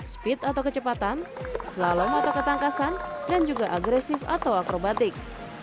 speed atau kecepatan slalom atau ketangkasan dan juga agresif atau akrobatik